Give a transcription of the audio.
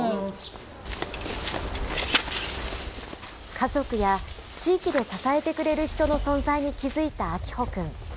家族や、地域で支えてくれる人の存在に気付いた明峰君。